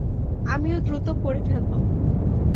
আমিও দ্রুত করে ফেলবো।